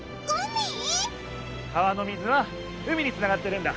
川の水は海につながってるんだ。